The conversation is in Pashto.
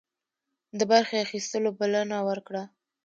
د برخي اخیستلو بلنه ورکړه.